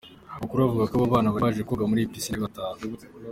Amakuru avuga ko abo bana bari baje koga muri iyi piscine ari batanu.